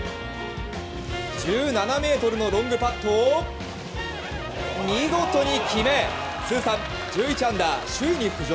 １７ｍのロングパットを見事に決め通算１１アンダー、首位に浮上。